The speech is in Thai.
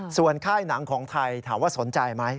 ส่วนค่ายหนังของไทยถามว่าสนใจไหม